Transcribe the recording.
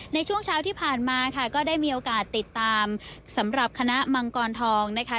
ในช่วงเช้าที่ผ่านมาค่ะก็ได้มีโอกาสติดตามสำหรับคณะมังกรทองนะคะ